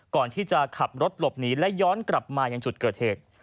ก่อนที่จะขับรถหลบหนีและย้อนกลับมายังจุดเกิดเหตุ